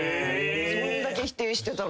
そんだけ否定してたのに。